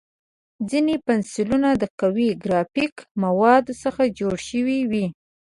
ځینې پنسلونه د قوي ګرافیتي موادو څخه جوړ شوي وي.